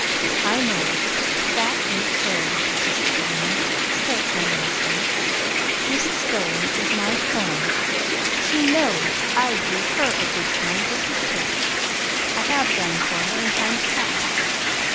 "I know; but that ain't charity," persisted the woman, still tremulously. "Mrs. Dolan is my FRIEND. She knows I'D do HER a good turn just as quick I have done 'em for her in times past.